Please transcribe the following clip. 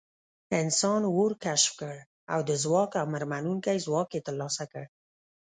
انسان اور کشف کړ او د ځواک امرمنونکی ځواک یې تر لاسه کړ.